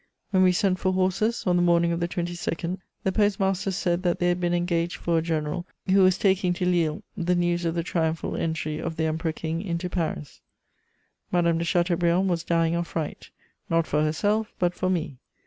When we sent for horses, on the morning of the 22nd, the postmaster said that they had been engaged for a general who was taking to Lille the news of "the triumphal entry of the Emperor King into Paris;" Madame de Chateaubriand was dying of fright, not for herself, but for me.